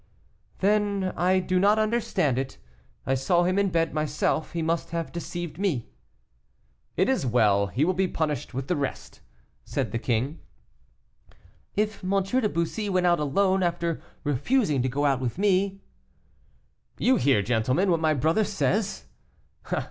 "Then I do not understand it; I saw him in bed myself; he must have deceived me." "It is well; he will be punished with the rest," said the king. "If M. de Bussy went out alone after refusing to go out with me " "You hear, gentlemen, what my brother says.